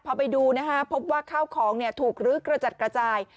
พอไปดูนะฮะพบว่าข้าวของถูกลื้อกระจัดกระจาย